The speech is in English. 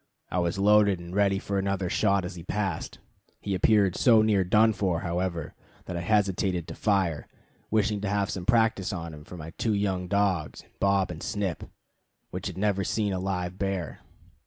I was loaded and ready for another shot as he passed. He appeared so near done for, however, that I hesitated to fire, wishing to have some practice on him for my two young dogs Bob and Snip, which had never seen a live bear.